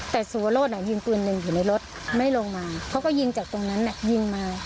แต่สุวรสยิงปืนหนึ่งอยู่ในรถไม่ลงมาเขาก็ยิงจากตรงนั้นยิงมา